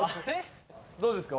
どうですか？